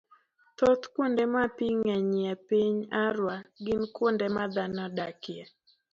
thoth kuonde ma pi ng'enyie e piny Arua gin kuonde ma dhano odakie.